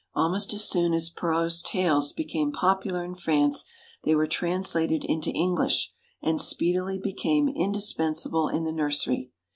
Almost as soon as Perrault's tales became popular in France, they were translated into English, and speedily became indispensable in the nursery.